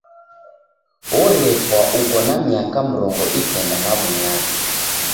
Orefwa uko na miaka mrongo ikenda na w'unyanya.